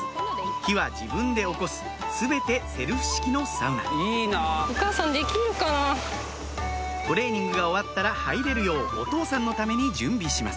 火は自分で起こす全てセルフ式のサウナトレーニングが終わったら入れるようお父さんのために準備します